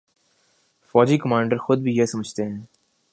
فوجی کمانڈر خود بھی یہ سمجھتے ہیں۔